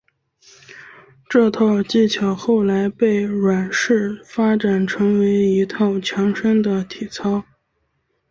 这套技巧后来被阮氏发展成为一套强身的体操。